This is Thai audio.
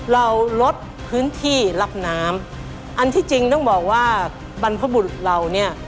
เราลดพื้นที่รับน้ำอันที่จริงต้องบอกว่าบรรพบุรุษเราเนี่ย